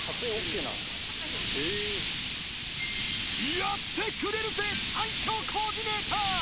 ［やってくれるぜ最強コーディネーター］